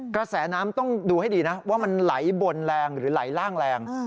กระแสน้ำต้องดูให้ดีนะว่ามันไหลบนแรงหรือไหลล่างแรง